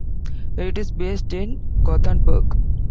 It is based in Gothenburg.